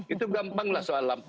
itu gampanglah soal lampu